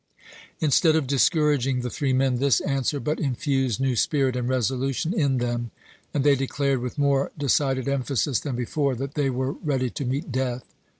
Instead of discouraging the three men, this answer but infused new spirit and resolution in them, and they declared with more decided emphasis than before, that they were ready to meet death.